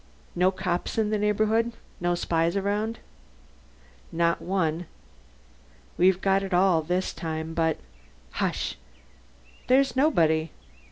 "No cops in the neighborhood? No spies around?" "Not one. We've got it all this time. But " "Hush!" "There's nobody."